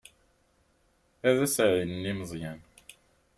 Ad as-ɛeyynen i Meẓyan.